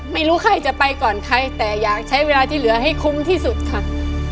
ไม่รู้ใครจะไปก่อนใครแต่อยากใช้เวลาที่เหลือให้คุ้มที่สุดค่ะ